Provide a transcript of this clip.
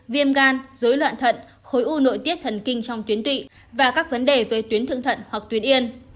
viêm gan dối loạn thận khối u nội tiết thần kinh trong tuyến tụy và các vấn đề với tuyến thượng thận hoặc tuyến yên